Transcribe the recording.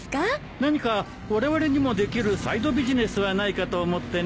何かわれわれにもできるサイドビジネスはないかと思ってね。